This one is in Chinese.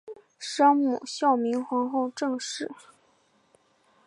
生母孝明皇后郑氏。